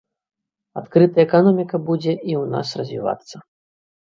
Адкрытая эканоміка будзе і ў нас развівацца.